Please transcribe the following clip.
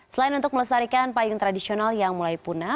selain untuk melestarikan payung tradisional yang mulai punah